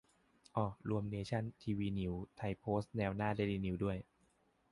เอ้อ รวมเนชั่น ทีนิวส์ ไทยโพสต์ แนวหน้า เดลินิวส์ ด้วย